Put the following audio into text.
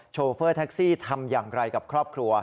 โฟแท็กซี่ทำอย่างไรกับครอบครัว